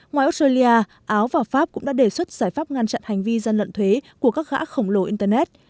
ngoài australia áo và pháp cũng đã đề xuất giải pháp ngăn chặn hành vi gian lận thuế của các gã khổng lồ internet